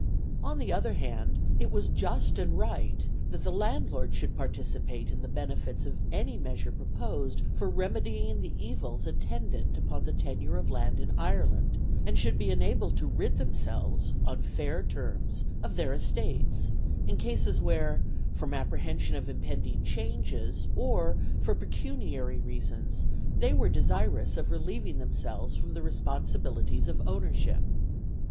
On the other hand, it was just and right that the landlords should participate in the benefits of any measure proposed for remedying the evils attendant upon the tenure of land in Ireland; and should be enabled to rid themselves, on fair terms, of their estates in cases where, from apprehension of impending changes, or for pecuniary reasons, they were desirous of relieving themselves from the responsibilities of ownership.